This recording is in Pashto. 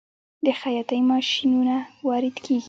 د خیاطۍ ماشینونه وارد کیږي؟